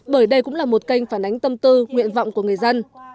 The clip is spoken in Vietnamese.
bởi đây cũng là một kênh phản ánh tâm tư nguyện vọng của người dân